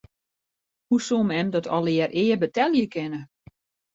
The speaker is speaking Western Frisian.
Hoe soe mem dat allegearre ea betelje kinne?